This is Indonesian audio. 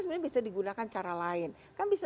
sebenarnya bisa digunakan cara lain kan bisa